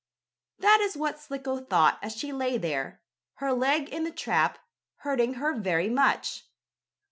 That is what Slicko thought as she lay there, her leg in the trap, hurting her very much.